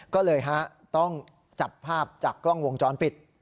ก็เลยต้องจับภาพจากกล้องวงจรปิด